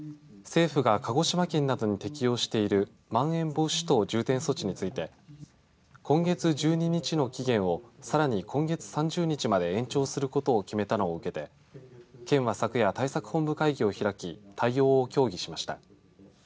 政府が鹿児島県などに適用しているまん延防止等重点措置について今月１２日の期限をさらに今月３０日まで延長することを決めたのを受けて県は昨夜、対策本部会議を開き対応を協議しました。